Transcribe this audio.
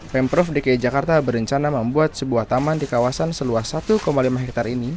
pemprov dki jakarta berencana membuat sebuah taman di kawasan seluas satu lima hektare ini